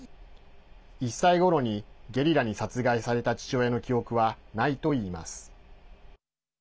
１歳ごろにゲリラに殺害された父親の記憶はないといいます。